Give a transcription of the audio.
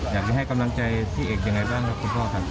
อยากจะให้กำลังใจพี่เอกยังไงบ้างครับคุณพ่อครับ